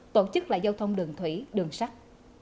tổ chức lại giao thông đường thủy đường sắt